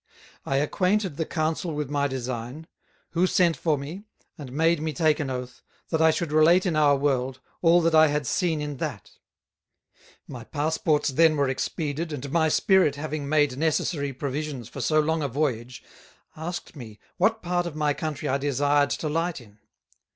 I acquainted the Council with my design; who sent for me, and made me take an Oath, that I should relate in our World, all that I had seen in that. My Passports then were expeded, and my Spirit having made necessary Provisions for so long a Voyage, asked me, What part of my Country I desired to light in?